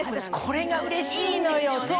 これがうれしいのよ。